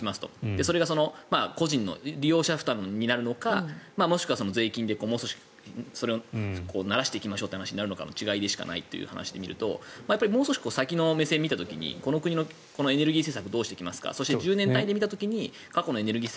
それが個人の利用者負担になるのかもしくは税金でもう少しならしていきましょうという話になるのかという違いでしかないという話で見るともう少し先の話の目線で見る時この国のエネルギー政策をどうしていきますか１０年単位で見た時に過去のエネルギー政策